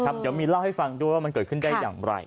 เดี๋ยวมีเล่าให้ฟังด้วยว่ามันเกิดขึ้นได้อย่างไร